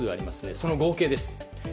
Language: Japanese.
その合計です。